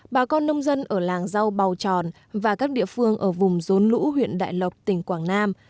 bà con nông dân ở làng rau bào tròn và các địa phương ở vùng rốn lũ huyện đại lộc tỉnh quảng nam